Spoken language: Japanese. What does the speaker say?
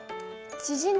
縮んだ？